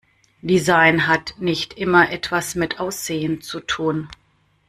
Design hat nicht immer etwas mit Aussehen zu tun.